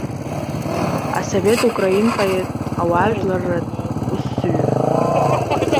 Асовет украин поет, ауажәларратә усзуҩы.